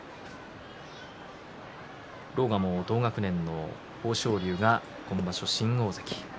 狼雅も同学年の豊昇龍が今場所、新大関。